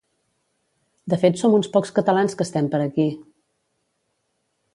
De fet som uns pocs catalans que estem per aquí!